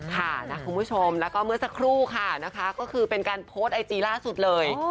ค่ะนะคุณผู้ชมแล้วก็เมื่อสักครู่ค่ะนะคะก็คือเป็นการโพสต์ไอจีล่าสุดเลย